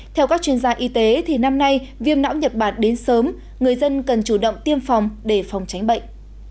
theo các chuyên gia y tế thì năm nay viêm não nhật bản đến sớm người dân cần chủ động tiêm phòng để phòng tránh bệnh